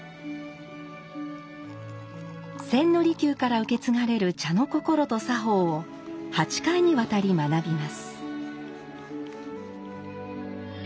千利休から受け継がれる茶の心と作法を８回にわたり学びます。